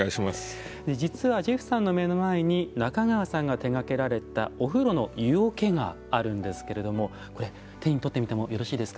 実はジェフさんの目の前に中川さんが手がけられたお風呂の湯桶があるんですけれどもこれ手に取ってみてもよろしいですか？